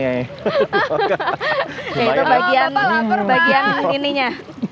ya itu bagian lapor bagian ininya